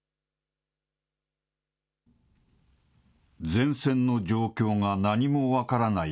前線の状況が何も分からない